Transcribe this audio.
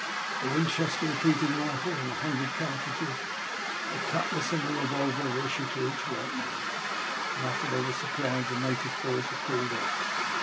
A Winchester re peating rifle and a hundred cartridges, a cutlass, and a revolver, were issued to each white man, and after they were supplied the native boys were called up.